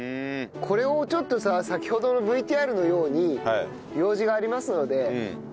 これをちょっとさ先ほどのＶＴＲのようにようじがありますのでやる？